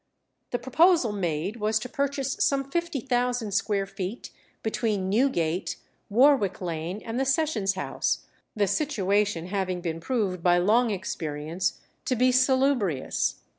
The proposal made was to purchase some fifty thousand square feet between Newgate, Warwick Lane, and the Sessions House, "the situation having been proved by long experience to be salubrious."